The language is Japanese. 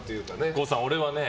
郷さん、俺はね